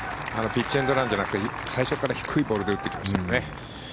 ピッチエンドランじゃなくて最初から低いボールで打ってきましたね。